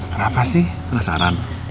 kenapa sih penasaran